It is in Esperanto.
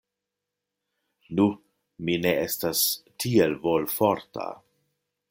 Nu, mi ne estas tiel volforta.